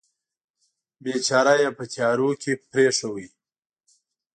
بیچاره یې په تیارو کې پرېښود.